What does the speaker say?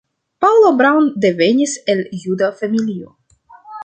Paula Braun devenis el juda familio.